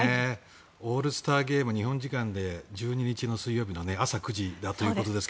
オールスターゲーム日本時間で１２日の水曜日の朝９時ということですが。